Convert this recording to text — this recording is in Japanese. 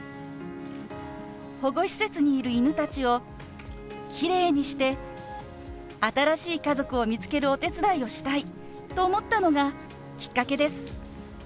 保護施設にいる犬たちをきれいにして新しい家族を見つけるお手伝いをしたいと思ったのがきっかけです。